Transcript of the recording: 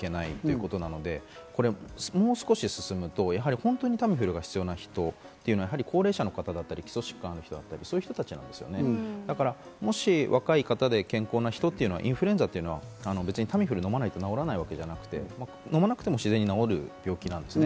早いうちに薬を届けないといけないってことなので、もう少し進むと本当にタミフルが必要な人というのは高齢者の方だったり、基礎疾患がある人、そういう人たち、もし、若い方で健康な人というのはインフルエンザというのは別にタミフルを飲まないと治らないわけではなくて、飲まなくても自然に治る病気なんです。